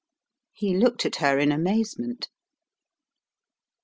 He looked at her in amazement.